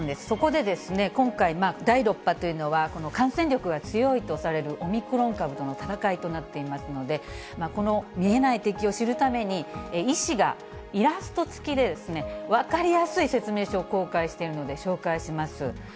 そこでですね、今回、第６波というのは、この感染力が強いとされるオミクロン株との闘いとなっていますので、この見えない敵を知るために、医師がイラストつきで分かりやすい説明書を公開しているので紹介します。